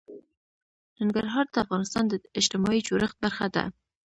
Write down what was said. ننګرهار د افغانستان د اجتماعي جوړښت برخه ده.